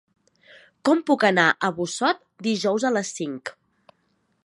Com puc anar a Busot dijous a les cinc?